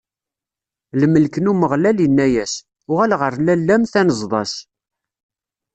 Lmelk n Umeɣlal inna-as: Uɣal ɣer lalla-m tanzeḍ-as.